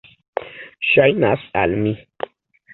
Ŝajnas al mi.